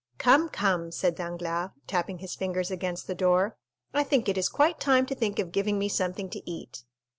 "Come, come," said Danglars, tapping his fingers against the door, "I think it is quite time to think of giving me something to eat!"